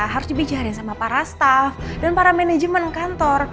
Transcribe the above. harus dibicara sama para staff dan para manajemen kantor